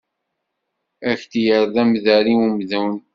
Ad k-yerr d amder i umdun.